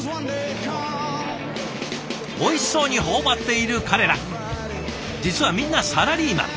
おいしそうに頬張っている彼ら実はみんなサラリーマン。